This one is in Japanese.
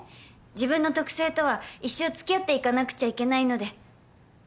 自分の特性とは一生付き合っていかなくちゃいけないので。